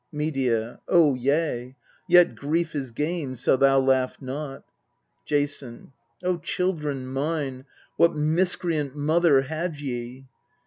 Medea. Oh, yea: yet grief is gain, so thou laugh not. Jason. O children mine, what miscreant mother had ye